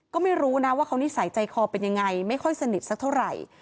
ก็ไม่รู้นะว่าเขานิสัยใจคอเป็นยังไงไม่ค่อยสนิทสักเท่าไหร่